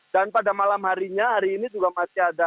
dan pada malam harinya hari ini juga masih ada